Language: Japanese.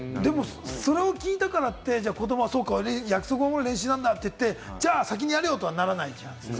それを聞いたからって、子どもは約束を守る練習なんだって言って、先にやるよとはならないでしょ？